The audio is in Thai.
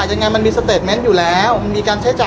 พี่แจงในประเด็นที่เกี่ยวข้องกับความผิดที่ถูกเกาหา